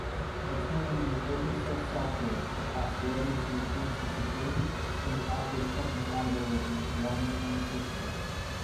Attaining in the open source software the possibility to increase the security and the operational compatibility of one’s own systems.